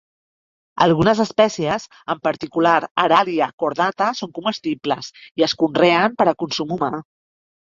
Algunes espècies, en particular "Aralia cordata", són comestibles i es conreen per a consum humà.